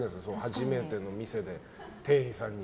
初めての店で店員さんに。